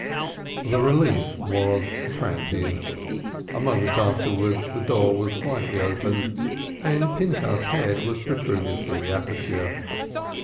The relief was transient. A moment afterwards the door was slightly opened, and Pinchas's head was protruded through the aperture.